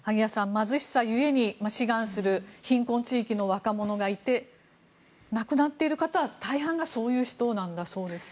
貧しさ故に志願する貧困地域の若者がいて亡くなっている方は大半がそういう人なんだそうです。